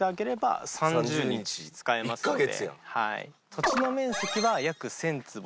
土地の面積は約１０００坪。